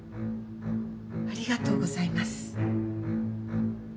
ありがとうございます。